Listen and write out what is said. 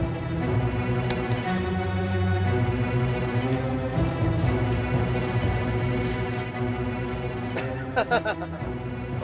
gak gua akan makan aja